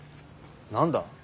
何だ？